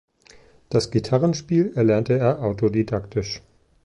Das Gitarrenspiel erlernte er autodidaktisch.